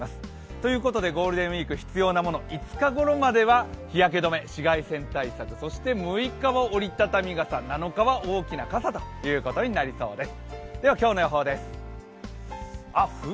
ということでゴールデンウイーク必要なもの、５日ごろまでは日焼け止め紫外線対策、そして６日は折り畳み傘、７日は大きな傘ということになりそうです。